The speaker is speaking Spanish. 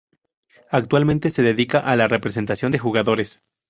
Actualmente se dedica a la representación de jugadores.